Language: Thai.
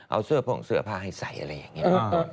เอาเสื้อผงเสื้อผ้าให้ใส่อะไรอย่างนี้